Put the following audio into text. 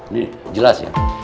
nih jelas ya